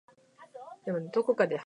杜克大學論辯課